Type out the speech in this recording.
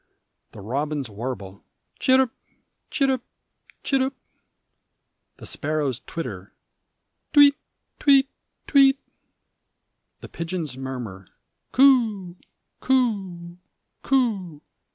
The robins warble "Chirrup, chirrup, chirrup!" The sparrows twitter "Tweet, tweet, tweet!" The pigeons murmur "Coo, coo, coo!"